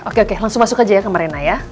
oke oke langsung masuk aja ya ke mariana ya